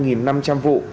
giảm bảy vụ